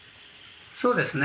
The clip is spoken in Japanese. そうですね。